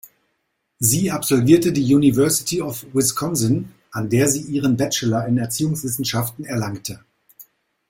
Sie absolvierte die University of Wisconsin, an der sie ihren Bachelor in Erziehungswissenschaften erlangte.